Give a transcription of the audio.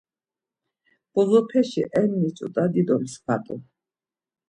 Bozopeşi enni ç̌ut̆a dido mskva t̆u.